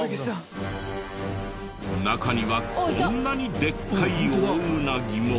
中にはこんなにでっかいオオウナギも。